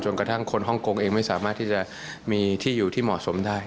กระทั่งคนฮ่องกงเองไม่สามารถที่จะมีที่อยู่ที่เหมาะสมได้